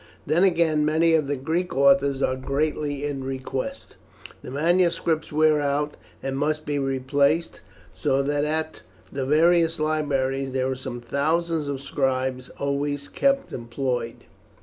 Then again many of the Greek authors are greatly in request. The manuscripts wear out and must be replaced, so that at the various libraries there are some thousands of scribes always kept employed.